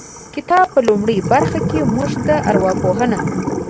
کتاب په لومړۍ برخه کې موږ ته ارواپوهنه